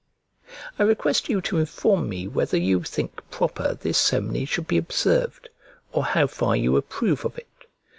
I request you to inform me whether you think proper this ceremony should be observed, or how far you approve of it.